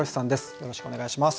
よろしくお願いします。